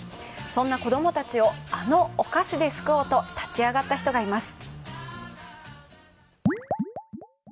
そんな子供たちを、あのお菓子で救おうと立ち上がった人がいます。